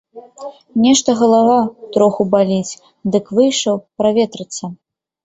Нешта галава троху баліць, дык выйшаў праветрыцца.